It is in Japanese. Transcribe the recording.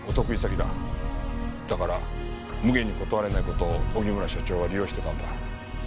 だからむげに断れない事を荻村社長は利用してたんだ。